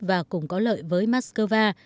và cùng có lợi với moscow